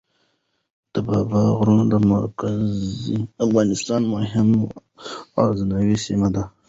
د بابا غرونه د مرکزي افغانستان مهمه غرنیزه سیمه ده.